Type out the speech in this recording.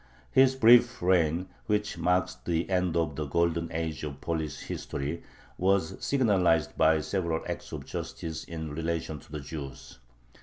His brief reign, which marks the end of the "golden age" of Polish history, was signalized by several acts of justice in relation to the Jews.